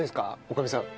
女将さん。